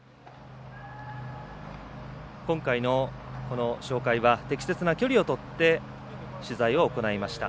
今回のこの紹介は適切な距離をとって取材を行いました。